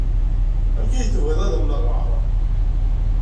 Amek ay tebɣiḍ ad am-neɣɣar?